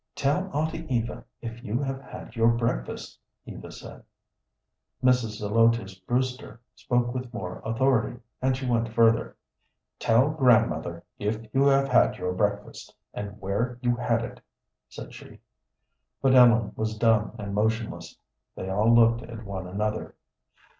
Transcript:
"Tell Auntie Eva if you have had your breakfast," Eva said. Mrs. Zelotes Brewster spoke with more authority, and she went further. "Tell grandmother if you have had your breakfast, and where you had it," said she. But Ellen was dumb and motionless. They all looked at one another.